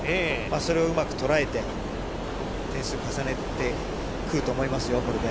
それをうまくとらえて、点数を重ねてくると思いますよ、これで。